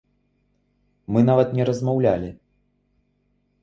Мы нават не размаўлялі.